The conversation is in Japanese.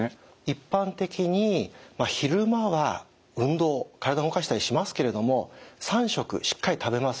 一般的に昼間は運動体動かしたりしますけれども３食しっかり食べますよね。